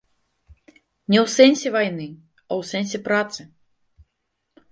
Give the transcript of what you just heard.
Не ў сэнсе вайны, а ў сэнсе працы.